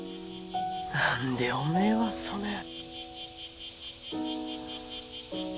何でおめえはそねん。